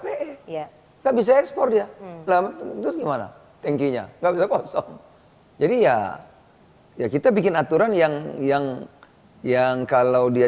ya nggak bisa ekspor ya terus gimana tingginya jadi ya ya kita bikin aturan yang yang yang kalau dia